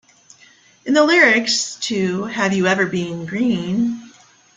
In the lyrics to Have You Ever Bean Green?